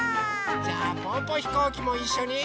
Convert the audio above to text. じゃあぽぅぽひこうきもいっしょに。